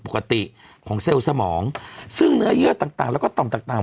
ปกติของเซลล์สมองซึ่งเนื้อเยื่อต่างต่างแล้วก็ต่อมต่างต่าง